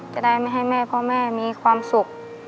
จะได้ไม่ให้แม่พ่อแม่มีความสุข